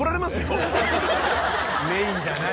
「メインじゃない」。